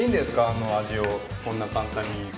あの味をこんな簡単に。